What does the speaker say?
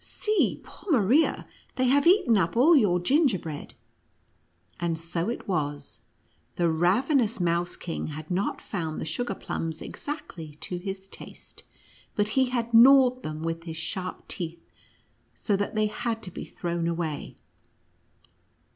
See, poor Maria, they have eaten up all your gingerbread." And so it was. The ravenous Mouse King had not found the sugar plums exactly to his taste, but he had gnawed them with his sharp teeth, so that they had to be thrown away.